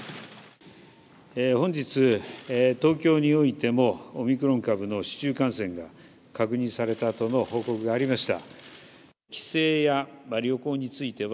本日、東京においても、オミクロン株の市中感染が確認されたとの報告がありました。